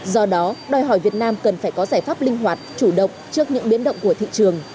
do đó đòi hỏi việt nam cần phải có giải pháp linh hoạt chủ động trước những biến động của thị trường